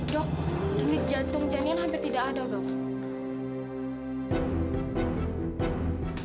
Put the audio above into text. dok ini jantung janine hampir tidak ada dok